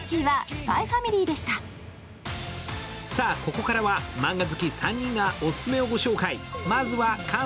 ここからはマンガ好き３人がオススメをご紹介。